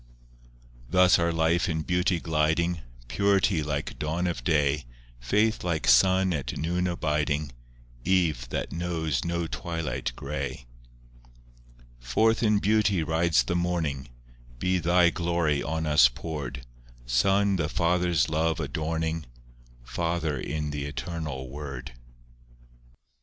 VII Thus our life in beauty gliding— Purity like dawn of day, Faith like sun at noon abiding, Eve that knows no twilight grey. VIII Forth in beauty rides the Morning— Be Thy glory on us poured; Son, the Father's love adorning, Father in th' Eternal Word.